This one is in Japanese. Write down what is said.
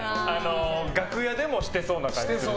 楽屋でもしてそうな感じ。